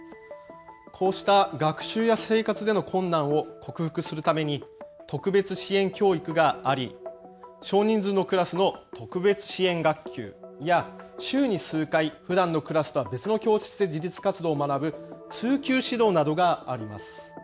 こうした学習や生活での困難を克服するために特別支援教育があり少人数のクラスの特別支援学級や週に数回ふだんのクラスとは別の教室で自立活動を学ぶ通級指導などがあります。